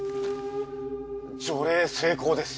除霊成功です。